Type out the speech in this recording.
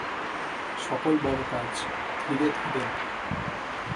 সকল বড় কাজ ধীরে ধীরে হয়।